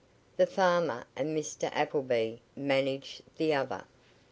The farmer and Mr. Appleby managed the other.